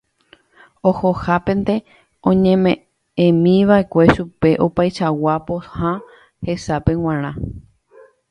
Ohohápente oñeme'ẽmiva'ekue chupe opaichagua pohã hesápe g̃uarã